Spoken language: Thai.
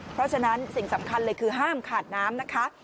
เพราะฉะนั้นสิ่งสำคัญเลยคือห้ามขาดน้ำนะคะ